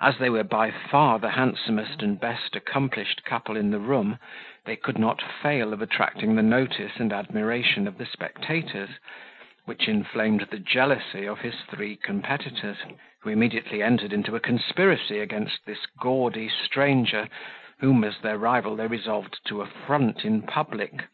As they were by far the handsomest and best accomplished couple in the room, they could not fail of attracting the notice and admiration of the spectators, which inflamed the jealousy of his three competitors, who immediately entered into a conspiracy against this gaudy stranger, whom, as their rival, they resolved to affront in public.